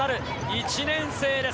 １年生です。